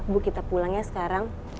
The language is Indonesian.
bu kita pulang ya sekarang